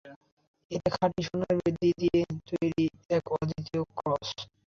এটা খাঁটি-সোনার বেদী দিয়ে তৈরি এক অদ্বিতীয় ক্রস।